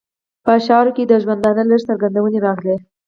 په اشعارو کې یې د ژوندانه لږې څرګندونې راغلې.